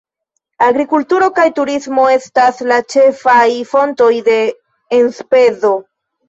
Agrikulturo kaj turismo estas la ĉefaj fontoj de enspezo.